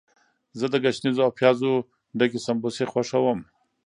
زه د ګشنیزو او پیازو ډکې سموسې خوښوم.